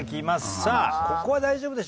さあここは大丈夫でしょう。